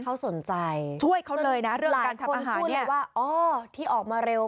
เขาสนใจช่วยเขาเลยนะเรื่องการทำอาหารเนี่ยว่าอ๋อที่ออกมาเร็ว